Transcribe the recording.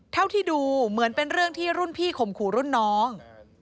เท่าที่ดูเหมือนเป็นเรื่องที่รุ่นพี่ข่มขู่รุ่นน้อง